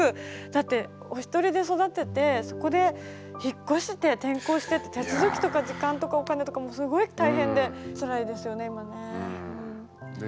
だってお一人で育ててそこで引っ越して転校してって手続きとか時間とかお金とかもうすごい大変でつらいですよね